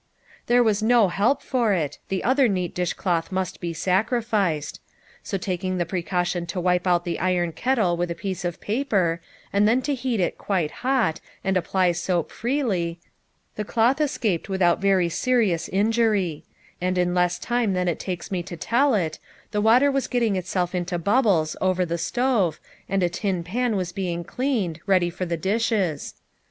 There was no help for it, the other neat dish cloth must be sacrificed. So taking the precau tion to wipe out the iron kettle with a piece of paper, and then to heat it quite hot, and apply soap freely, the cloth escaped without very seri ous injury ; and in less time than it takes me to tell it, the water was getting itself into bubbles over the stove, and a tin pan was being cleaned, BEGINNING HER LIFE. 37 ready for the dishes.